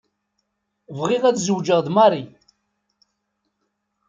Bɣiɣ ad zewǧeɣ d Mary.